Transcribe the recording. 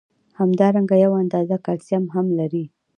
همدارنګه یو اندازه کلسیم هم لري.